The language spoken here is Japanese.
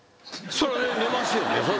そりゃ寝ますよね。